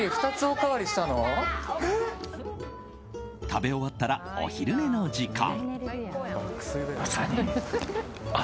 食べ終わったらお昼寝の時間。